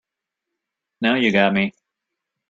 Now you got me.